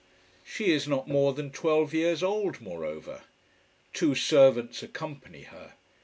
She is not more than twelve years old, moreover. Two servants accompany her.